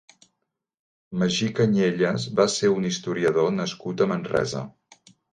Magí Canyelles va ser un historiador nascut a Manresa.